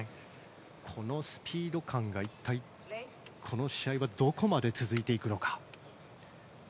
このスピード感が、一体この試合はどこまで続いていくのか。